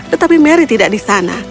tetapi mary tidak disayang